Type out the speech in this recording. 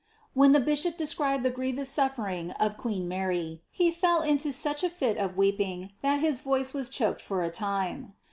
When the bishop deticribed the grievous sufltring of queen Man', he fell into such a fit of weeping that his voice was choked for a tune.